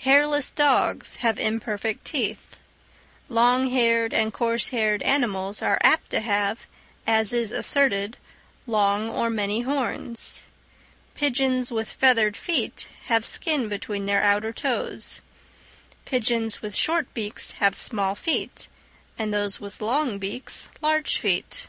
Hairless dogs have imperfect teeth; long haired and coarse haired animals are apt to have, as is asserted, long or many horns; pigeons with feathered feet have skin between their outer toes; pigeons with short beaks have small feet, and those with long beaks large feet.